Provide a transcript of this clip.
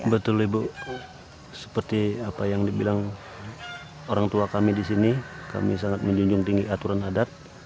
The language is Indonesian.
betul ibu seperti apa yang dibilang orang tua kami di sini kami sangat menjunjung tinggi aturan adat